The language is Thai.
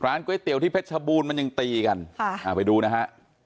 ร้านก๋วยเตี๋ยวที่เพชรชบูนมันยังตีกันค่ะอ่าไปดูนะฮะ